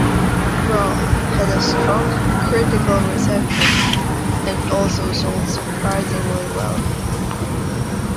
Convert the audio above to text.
"Raw" had a strong critical reception, and also sold surprisingly well.